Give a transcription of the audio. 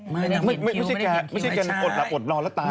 ไม่ไม่ใช่แกแต่อดนอนแล้วตาย